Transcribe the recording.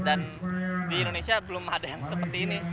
dan di indonesia belum ada yang seperti ini